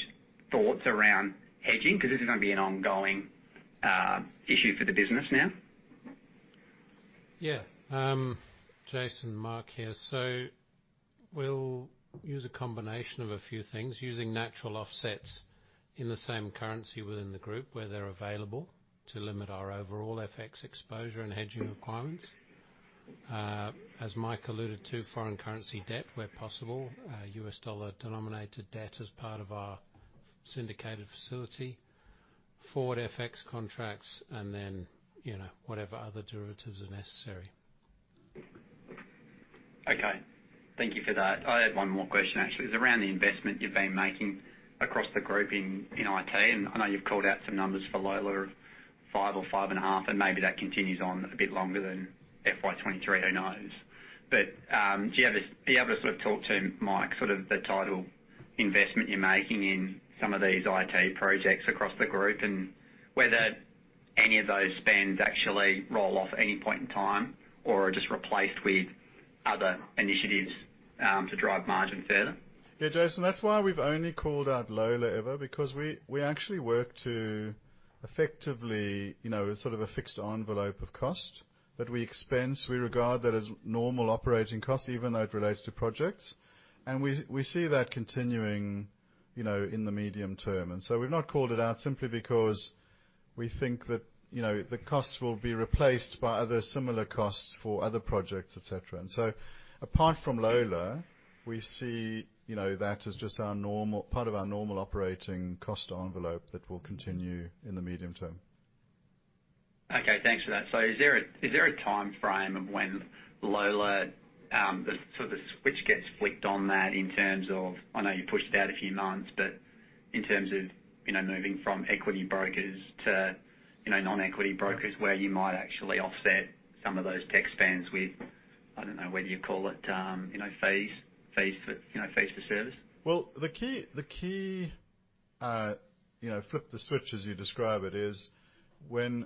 thoughts around hedging? Because this is gonna be an ongoing issue for the business now. Yeah. Jason, Mark here. We'll use a combination of a few things using natural offsets in the same currency within the group where they're available to limit our overall FX exposure and hedging requirements. As Mike alluded to, foreign currency debt where possible, U.S. dollar denominated debt as part of our syndicated facility, forward FX contracts and then, you know, whatever other derivatives are necessary. Okay. Thank you for that. I had one more question, actually. It's around the investment you've been making across the group in IT, and I know you've called out some numbers for Lola of 5 or 5.5, and maybe that continues on a bit longer than FY 2023, who knows? Are you able to sort of talk to Mike sort of the total investment you're making in some of these IT projects across the group and whether any of those spends actually roll off any point in time or are just replaced with other initiatives to drive margin further? Yeah, Jason, that's why we've only called out Lola, Eva, because we actually work to effectively, you know, sort of a fixed envelope of cost that we expense. We regard that as normal operating cost even though it relates to projects. We see that continuing, you know, in the medium term. We've not called it out simply because we think that, you know, the costs will be replaced by other similar costs for other projects, et cetera. Apart from Lola, we see, you know, that as just our normal part of our normal operating cost envelope that will continue in the medium term. Okay, thanks for that. Is there a time frame of when Lola, the sort of switch gets flicked on that in terms of, I know you pushed out a few months, but in terms of, you know, moving from equity brokers to, you know, non-equity brokers where you might actually offset some of those tech spends with, I don't know, whether you call it, you know, fees for service? Well, the key, you know, flip the switch as you describe it, is when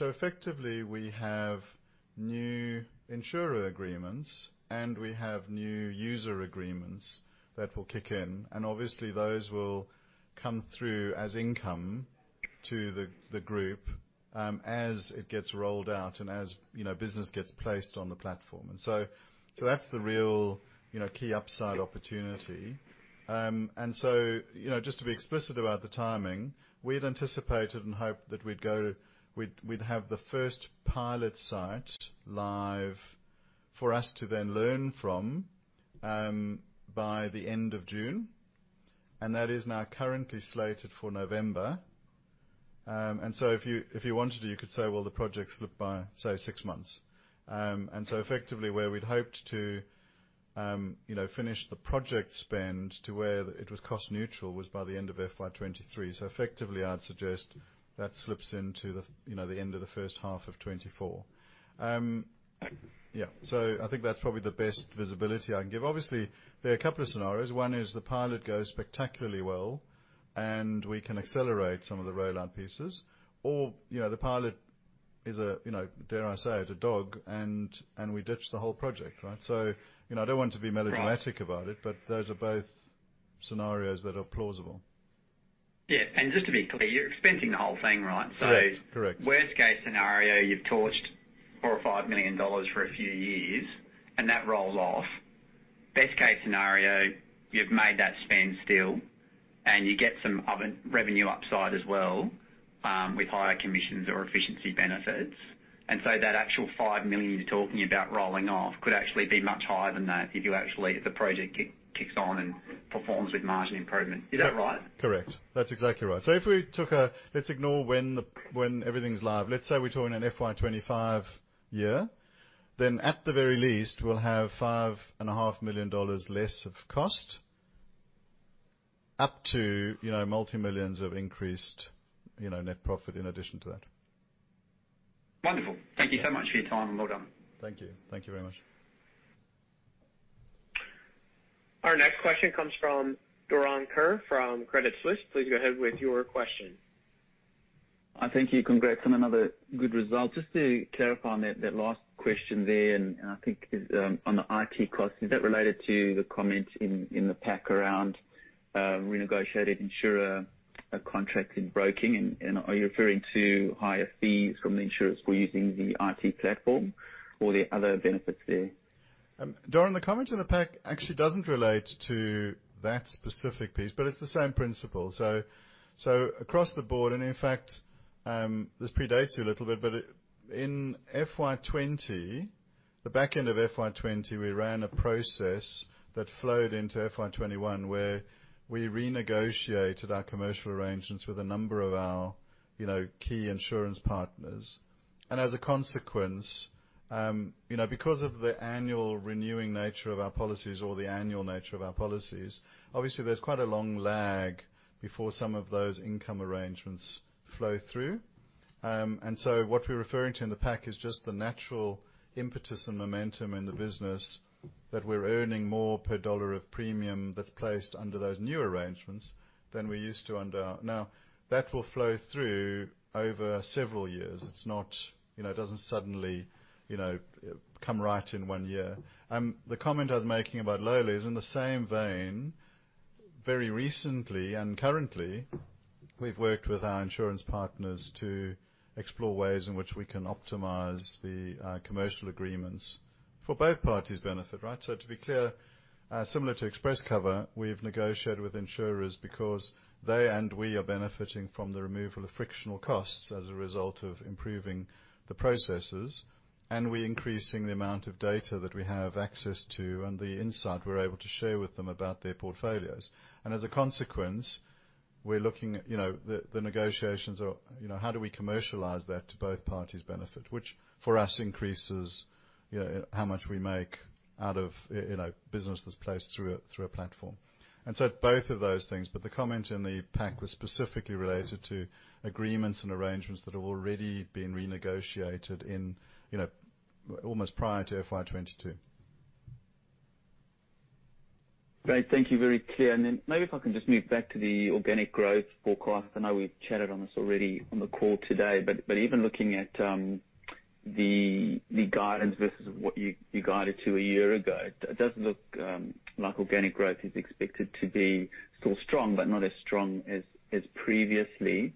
effectively we have new insurer agreements, and we have new user agreements that will kick in, and obviously those will come through as income to the group, as it gets rolled out and as, you know, business gets placed on the platform. That's the real, you know, key upside opportunity. You know, just to be explicit about the timing, we'd anticipated and hoped that we'd have the first pilot site live for us to then learn from by the end of June, and that is now currently slated for November. If you wanted to, you could say, well, the project slipped by, say, six months. Effectively, where we'd hoped to, you know, finish the project spend to where it was cost neutral was by the end of FY 2023. Effectively, I'd suggest that slips into the, you know, the end of the first half of 2024. Thank you. Yeah. I think that's probably the best visibility I can give. Obviously, there are a couple of scenarios. One is the pilot goes spectacularly well, and we can accelerate some of the rollout pieces or, you know, the pilot is a, you know, dare I say it, a dog and we ditch the whole project, right? You know, I don't want to be melodramatic about it, but those are both scenarios that are plausible. Yeah. Just to be clear, you're expensing the whole thing, right? Correct. Worst case scenario, you've torched 4 or 5 million for a few years and that rolls off. Best case scenario, you've made that spend still, and you get some other revenue upside as well, with higher commissions or efficiency benefits. That actual 5 million you're talking about rolling off could actually be much higher than that if you actually if the project kicks on and performs with margin improvement. Is that right? Correct. That's exactly right. Let's ignore when everything's live. Let's say we're talking an FY 2025 year, then at the very least we'll have five and a half million dollars less of cost up to, you know, AUD multimillions of increased, you know, net profit in addition to that. Wonderful. Thank you so much for your time, and well done. Thank you. Thank you very much. Our next question comes from Doron Kur from Credit Suisse. Please go ahead with your question. Thank you. Congrats on another good result. Just to clarify on that last question there, and I think it's on the IT cost, is that related to the comment in the pack around renegotiated insurer contracts in broking and are you referring to higher fees from the insurers for using the IT platform or are there other benefits there? Doron, the comment in the pack actually doesn't relate to that specific piece, but it's the same principle. So across the board and in fact, this predates you a little bit, but in FY 2020, the back end of FY 2020, we ran a process that flowed into FY 2021, where we renegotiated our commercial arrangements with a number of our, you know, key insurance partners. As a consequence, you know, because of the annual renewing nature of our policies or the annual nature of our policies, obviously there's quite a long lag before some of those income arrangements flow through. What we're referring to in the pack is just the natural impetus and momentum in the business that we're earning more per dollar of premium that's placed under those new arrangements than we used to under. Now, that will flow through over several years. It's not, you know, it doesn't suddenly, you know, come right in one year. The comment I was making about Lola is in the same vein. Very recently, and currently, we've worked with our insurance partners to explore ways in which we can optimize the commercial agreements for both parties' benefit, right? To be clear, similar to Express Cover, we've negotiated with insurers because they and we are benefiting from the removal of frictional costs as a result of improving the processes, and we increasing the amount of data that we have access to and the insight we're able to share with them about their portfolios. As a consequence, we're looking at, you know, the negotiations or, you know, how do we commercialize that to both parties' benefit, which for us increases, you know, how much we make out of, you know, business that's placed through a platform. Both of those things, but the comment in the pack was specifically related to agreements and arrangements that have already been renegotiated in, you know, almost prior to FY 2022. Great. Thank you. Very clear. Then maybe if I can just move back to the organic growth forecast. I know we've chatted on this already on the call today, but even looking at the guidance versus what you guided to a year ago, it does look like organic growth is expected to be still strong, but not as strong as previously.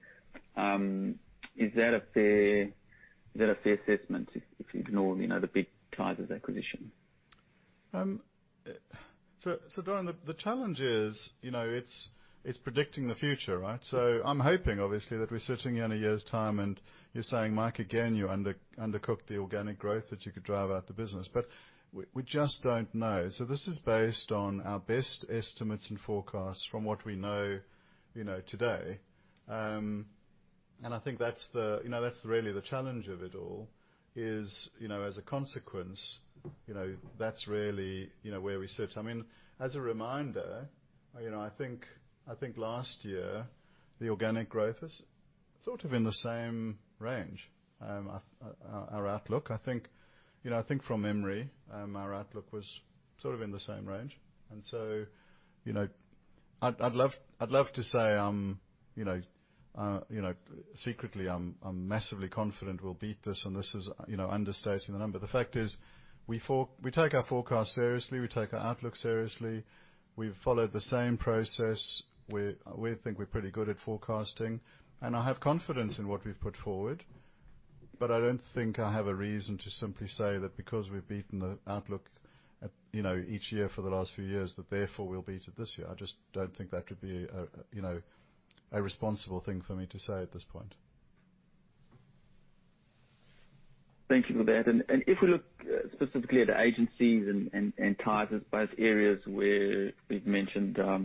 Is that a fair assessment if you ignore, you know, the big Tysers acquisition? Doron, the challenge is, you know, it's predicting the future, right? I'm hoping obviously that we're sitting here in a year's time and you're saying, "Mike, again, you undercooked the organic growth that you could drive out of the business." We just don't know. This is based on our best estimates and forecasts from what we know, you know, today. I think that's the, you know, that's really the challenge of it all is, you know, as a consequence, you know, that's really, you know, where we sit. I mean, as a reminder, you know, I think last year, the organic growth was sort of in the same range, our outlook. I think you know from memory, our outlook was sort of in the same range. You know, I'd love to say, you know, secretly I'm massively confident we'll beat this and this is, you know, understating the number. The fact is we take our forecast seriously, we take our outlook seriously. We've followed the same process. We think we're pretty good at forecasting, and I have confidence in what we've put forward. But I don't think I have a reason to simply say that because we've beaten the outlook at, you know, each year for the last few years, that therefore we'll beat it this year. I just don't think that would be a responsible thing for me to say at this point. Thank you for that. If we look specifically at agencies and Tysers, both areas where we've mentioned, there's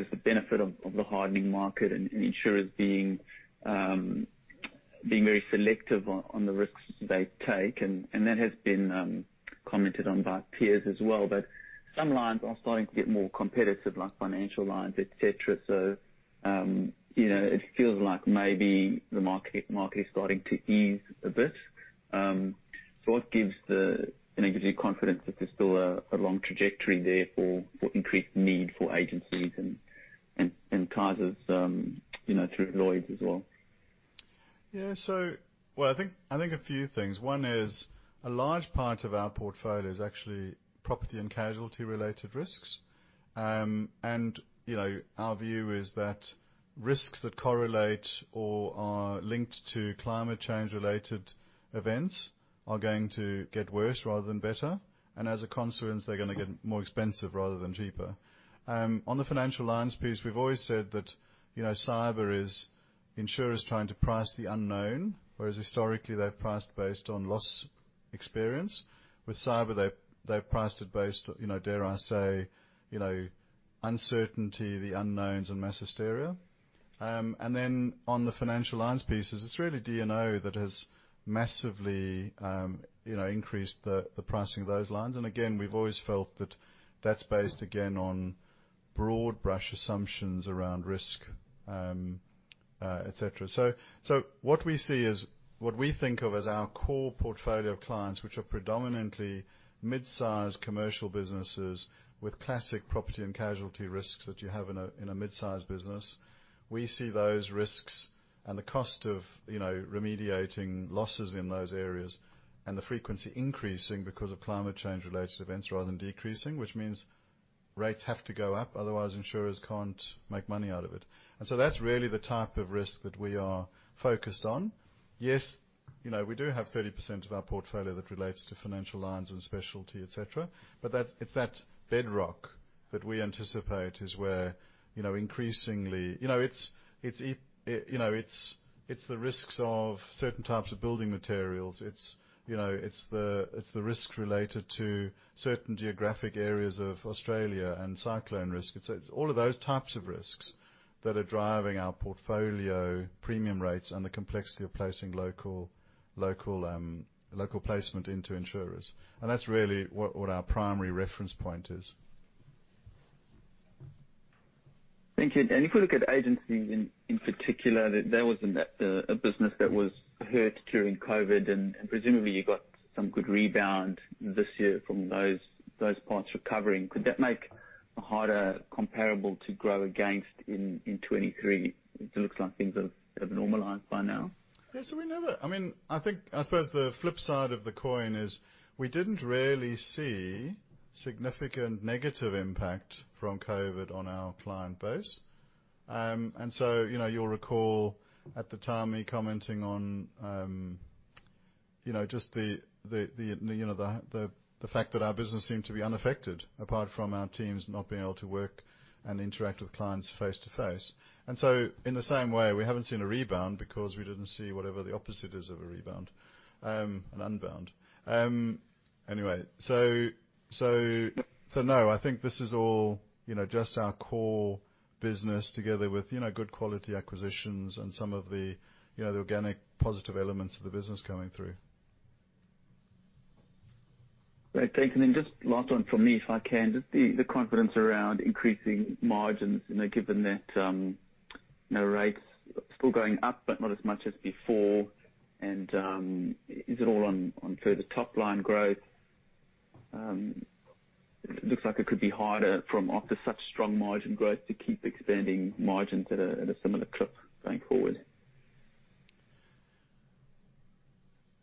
the benefit of the hardening market and insurers being very selective on the risks they take. That has been commented on by peers as well. Some lines are starting to get more competitive, like financial lines, et cetera. You know, it feels like maybe the market is starting to ease a bit. What gives you confidence that there's still a long trajectory there for increased need for agencies and Tysers, you know, through Lloyd's as well? Well, I think a few things. One is a large part of our portfolio is actually property and casualty related risks. You know, our view is that risks that correlate or are linked to climate change related events are going to get worse rather than better. As a consequence, they're gonna get more expensive rather than cheaper. On the financial lines piece, we've always said that, you know, cyber is insurers trying to price the unknown, whereas historically, they've priced based on loss experience. With cyber, they've priced it based, you know, dare I say, you know, uncertainty, the unknowns and mass hysteria. On the financial lines pieces, it's really D&O that has massively, you know, increased the pricing of those lines. Again, we've always felt that that's based again on broad brush assumptions around risk, et cetera. What we see is what we think of as our core portfolio of clients, which are predominantly midsize commercial businesses with classic property and casualty risks that you have in a midsize business. We see those risks and the cost of, you know, remediating losses in those areas and the frequency increasing because of climate change related events rather than decreasing, which means rates have to go up, otherwise insurers can't make money out of it. That's really the type of risk that we are focused on. Yes, you know, we do have 30% of our portfolio that relates to financial lines and specialty, et cetera, but that's. It's that bedrock that we anticipate is where, you know, increasingly. You know, it's the risks of certain types of building materials. It's, you know, it's the risk related to certain geographic areas of Australia and cyclone risk. It's all of those types of risks that are driving our portfolio premium rates and the complexity of placing local placement into insurers. That's really what our primary reference point is. Thank you. If we look at agencies in particular, that was a net business that was hurt during COVID and presumably you got some good rebound this year from those parts recovering. Could that make a harder comparable to grow against in 2023? It looks like things have normalized by now. I think, I suppose the flip side of the coin is we didn't really see significant negative impact from COVID on our client base. You know, you'll recall at the time me commenting on, you know, just the fact that our business seemed to be unaffected, apart from our teams not being able to work and interact with clients face-to-face. In the same way, we haven't seen a rebound because we didn't see whatever the opposite is of a rebound, an unbound. Anyway. No, I think this is all, you know, just our core business together with, you know, good quality acquisitions and some of the, you know, the organic positive elements of the business going through. Great. Thanks. Just last one from me, if I can. Just the confidence around increasing margins, you know, given that, you know, rates still going up, but not as much as before. Is it all on further top-line growth? Looks like it could be harder from after such strong margin growth to keep expanding margins at a similar clip going forward.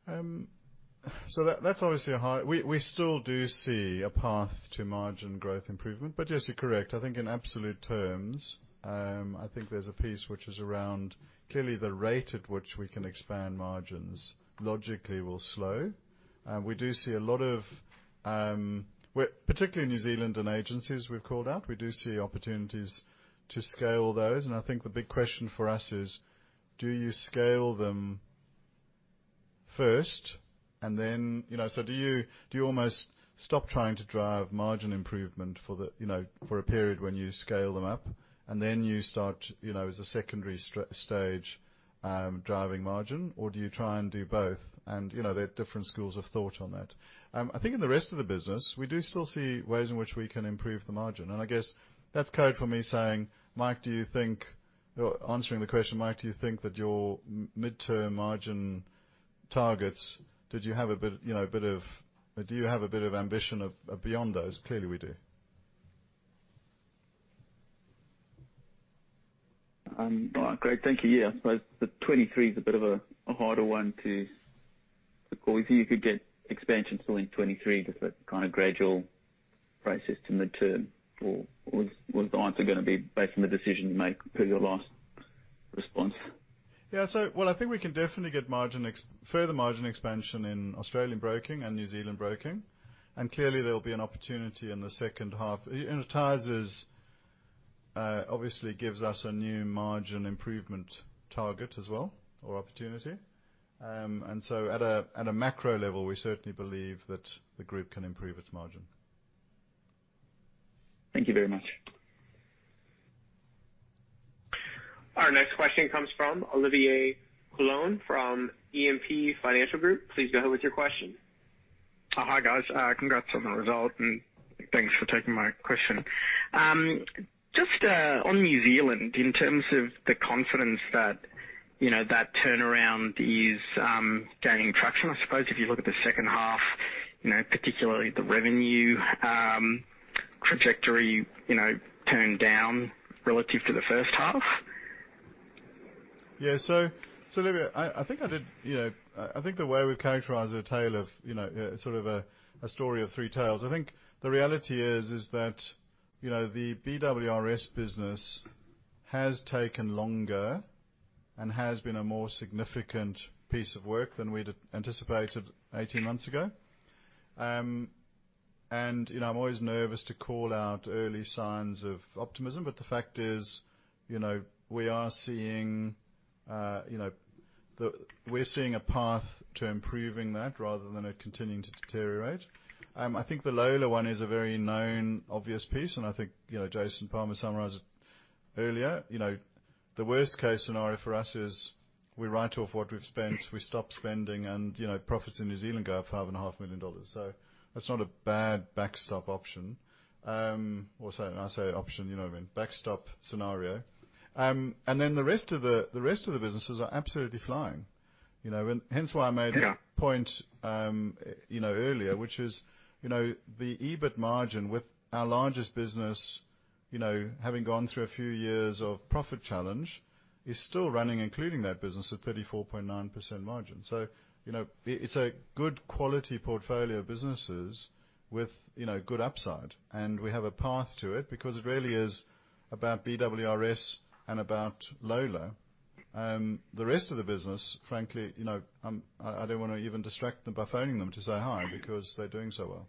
That's obviously a high. We still do see a path to margin growth improvement. But yes, you're correct. I think in absolute terms, I think there's a piece which is around clearly the rate at which we can expand margins logically will slow. We do see a lot of... Particularly in New Zealand and agencies we've called out, we do see opportunities to scale those. I think the big question for us is, do you scale them first and then, you know. Do you almost stop trying to drive margin improvement for the, you know, for a period when you scale them up, and then you start, you know, as a secondary stage, driving margin? Or do you try and do both? You know, there are different schools of thought on that. I think in the rest of the business, we do still see ways in which we can improve the margin. I guess that's code for me saying, Mike, do you think that your midterm margin targets have a bit of ambition beyond those? Clearly, we do. Great. Thank you. Yeah. I suppose the 2023 is a bit of a harder one to call. You think you could get expansion still in 2023, just that kind of gradual process to midterm, or is the answer gonna be based on the decision you make per your last response? Yeah. Well, I think we can definitely get further margin expansion in Australian broking and New Zealand broking, and clearly there'll be an opportunity in the second half. You know, Tysers obviously gives us a new margin improvement target as well, or opportunity. At a macro level, we certainly believe that the group can improve its margin. Thank you very much. Our next question comes from Olivier Coulon from E&P Financial Group. Please go ahead with your question. Hi, guys. Congrats on the result, and thanks for taking my question. Just on New Zealand, in terms of the confidence that, you know, that turnaround is gaining traction, I suppose if you look at the second half, you know, particularly the revenue trajectory, you know, turned down relative to the first half. Olivier, I think the way we've characterized it, a tale of, you know, sort of a story of three tales. I think the reality is that, you know, the BWRS business has taken longer and has been a more significant piece of work than we'd anticipated 18 months ago. You know, I'm always nervous to call out early signs of optimism, but the fact is, you know, we are seeing a path to improving that rather than it continuing to deteriorate. I think the Lola one is a very known obvious piece, and I think, you know, Jason Palmer summarized it earlier. You know, the worst case scenario for us is we write off what we've spent, we stop spending, and, you know, profits in New Zealand go up 5.5 million dollars. That's not a bad backstop option. Or sorry, when I say option, you know what I mean, backstop scenario. The rest of the businesses are absolutely flying. You know, hence why I made. Yeah. At a point, you know, earlier, which is, you know, the EBIT margin with our largest business, you know, having gone through a few years of profit challenge, is still running, including that business, at 34.9% margin. You know, it's a good quality portfolio of businesses with, you know, good upside, and we have a path to it because it really is about BWRS and about Lola. The rest of the business, frankly, you know, I don't wanna even distract them by phoning them to say hi because they're doing so well.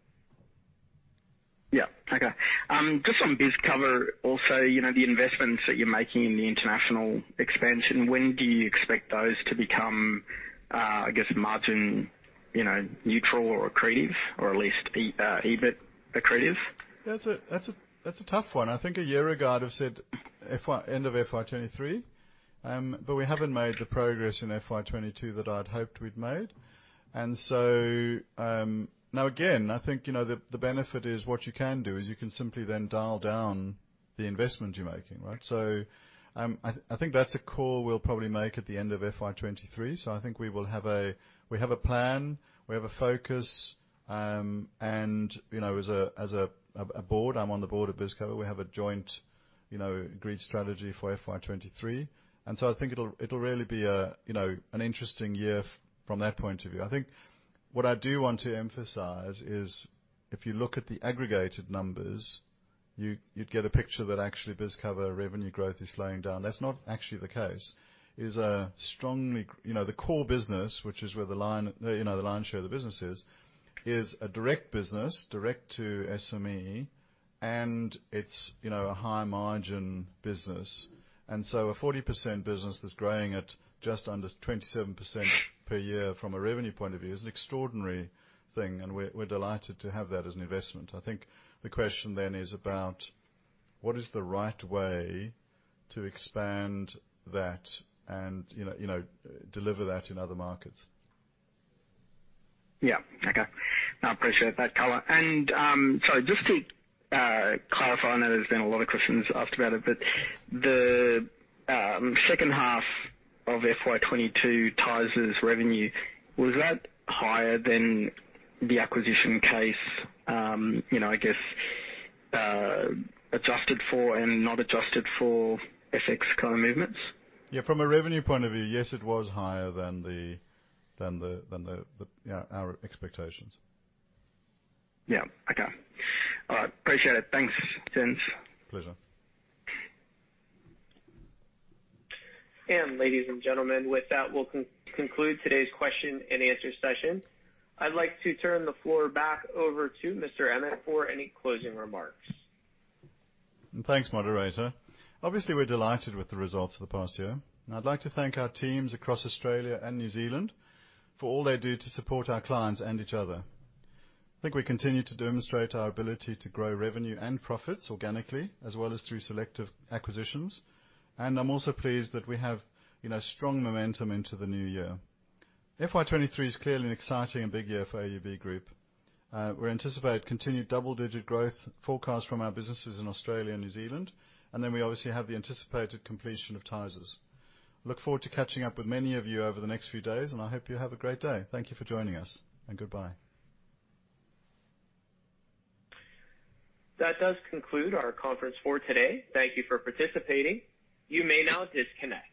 Yeah. Okay. Just on BizCover also, you know, the investments that you're making in the international expansion, when do you expect those to become, I guess, margin, you know, neutral or accretive, or at least EBIT accretive? That's a tough one. I think a year ago, I'd have said FY end of FY 2023, but we haven't made the progress in FY 2022 that I'd hoped we'd made. Now again, I think, you know, the benefit is what you can do is you can simply then dial down the investment you're making, right? I think that's a call we'll probably make at the end of FY 2023. I think we have a plan, we have a focus, and, you know, as a board, I'm on the board of BizCover, we have a joint, you know, agreed strategy for FY 2023. I think it'll really be a, you know, an interesting year from that point of view. I think what I do want to emphasize is, if you look at the aggregated numbers, you'd get a picture that actually BizCover revenue growth is slowing down. That's not actually the case. You know, the core business, which is where the line, you know, the lion's share of the business is a direct business, direct to SME, and it's, you know, a high margin business. A 40% business that's growing at just under 27% per year from a revenue point of view is an extraordinary thing, and we're delighted to have that as an investment. I think the question then is about what is the right way to expand that and, you know, you know, deliver that in other markets. Yeah. Okay. I appreciate that color. Sorry, just to clarify, I know there's been a lot of questions asked about it, but the second half of FY 2022 Tysers revenue, was that higher than the acquisition case, you know, I guess, adjusted for and not adjusted for FX kind of movements? Yeah. From a revenue point of view, yes, it was higher than, yeah, our expectations. Yeah. Okay. All right. Appreciate it. Thanks. Pleasure. Ladies and gentlemen, with that, we'll conclude today's question and answer session. I'd like to turn the floor back over to Mr. Emmett for any closing remarks. Thanks, moderator. Obviously, we're delighted with the results of the past year. I'd like to thank our teams across Australia and New Zealand for all they do to support our clients and each other. I think we continue to demonstrate our ability to grow revenue and profits organically, as well as through selective acquisitions. I'm also pleased that we have, you know, strong momentum into the new year. FY 2023 is clearly an exciting and big year for AUB Group. We anticipate continued double-digit growth forecast from our businesses in Australia and New Zealand, and then we obviously have the anticipated completion of Tysers. Look forward to catching up with many of you over the next few days, and I hope you have a great day. Thank you for joining us, and goodbye. That does conclude our conference for today. Thank you for participating. You may now disconnect.